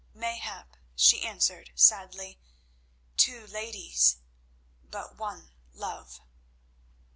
"Mayhap," she answered sadly; "two ladies—but one love."